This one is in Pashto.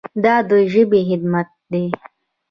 دا د ژبې خدمت دی.